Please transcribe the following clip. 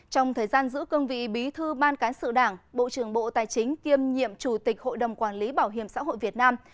trong thời gian giữ cương vị bí thư ban cán sự đảng bộ trưởng bộ tài chính kiêm nhiệm chủ tịch hội đồng quản lý bảo hiểm xã hội việt nam